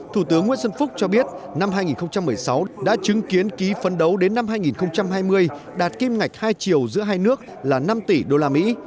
thủ tướng nguyễn xuân phúc cho biết năm hai nghìn một mươi sáu đã chứng kiến ký phấn đấu đến năm hai nghìn hai mươi đạt kim ngạch hai triệu giữa hai nước là năm tỷ đô la mỹ